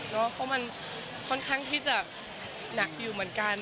เพราะมันค่อนข้างที่จะหนักอยู่เหมือนกัน